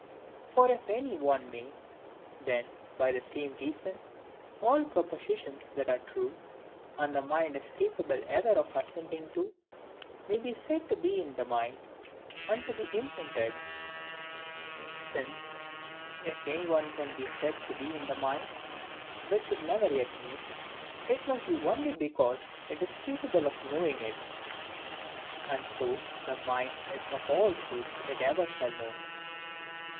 For if any one may, then, by the same reason, all propositions that are true, and the mind is capable ever of assenting to, may be said to be in the mind, and to be imprinted: since, if any one can be said to be in the mind, which it never yet knew, it must be only because it is capable of knowing it; and so the mind is of all truths it ever shall know.